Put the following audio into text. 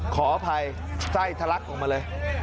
ขออภัยไส้ทะลักออกมาเลย